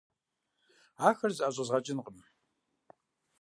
Ахэр зыӀэщӀэзгъэкӀынкъым.